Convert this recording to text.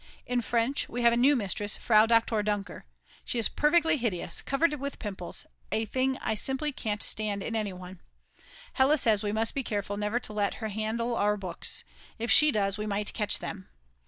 In French we have a new mistress Frau Doktor Dunker, she is perfectly hideous, covered with pimples, a thing I simply can't stand in any one; Hella says we must be careful never to let her handle our books; if she does we might catch them.